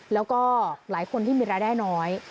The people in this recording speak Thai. แล้วก็หลายคนที่มีรายได้น้อย